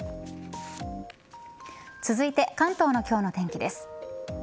続いて関東の今日の天気です。